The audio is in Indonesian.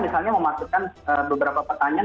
misalnya memasukkan beberapa pertanyaan